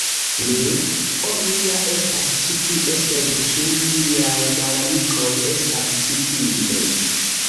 Nu.. Oni ja estas ĉi tie sed ĉu miaj malamikoj estas ĉi tie?